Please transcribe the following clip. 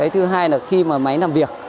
thứ hai là khi máy làm việc